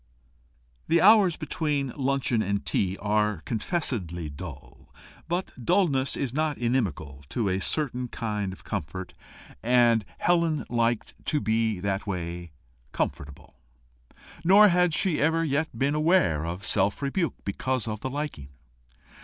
The hours between luncheon and tea are confessedly dull, but dulness is not inimical to a certain kind of comfort, and Helen liked to be that way comfortable. Nor had she ever yet been aware of self rebuke because of the liking.